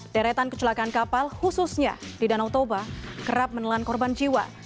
deretan kecelakaan kapal khususnya di danau toba kerap menelan korban jiwa